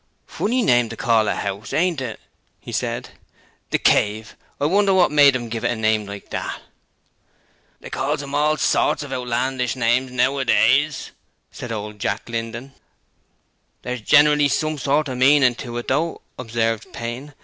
'Funny name to call a 'ouse, ain't it?' he said. '"The Cave." I wonder what made 'em give it a name like that.' 'They calls 'em all sorts of outlandish names nowadays,' said old Jack Linden. 'There's generally some sort of meaning to it, though,' observed Payne.